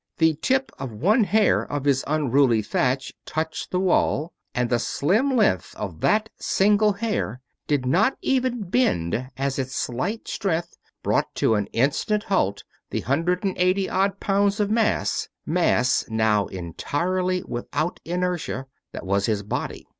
The tip of one hair of his unruly thatch touched the wall, and the slim length of that single hair did not even bend as its slight strength brought to an instant halt the hundred and eighty odd pounds of mass mass now entirely without inertia that was his body.